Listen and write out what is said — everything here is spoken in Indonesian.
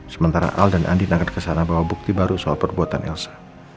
sementara al dan andin akan kesana bawa bukti baru soal perbuatan elsa